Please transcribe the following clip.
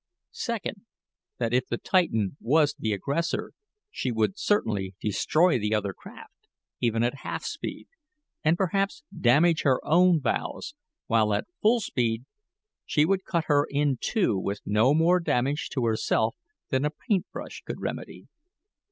Second, that if the Titan was the aggressor she would certainly destroy the other craft, even at half speed, and perhaps damage her own bows; while at full speed, she would cut her in two with no more damage to herself than a paintbrush could remedy.